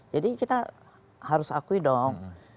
jadi kita harus akui dong